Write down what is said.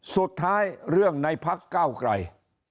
สุดท้ายเรื่องในพักเก้าไกร